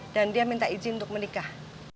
dan dia minta izin untuk menikah